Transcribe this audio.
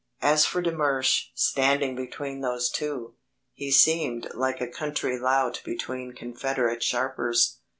As for de Mersch, standing between those two, he seemed like a country lout between confederate sharpers.